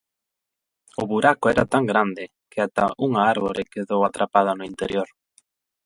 O buraco era tan grande que ata unha árbore quedou atrapada no interior.